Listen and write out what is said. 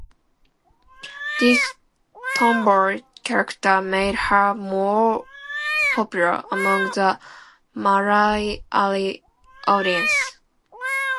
This tomboy character made her more popular among the Malayali audience.